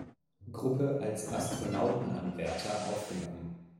Gruppe als Astronautenanwärter aufgenommen.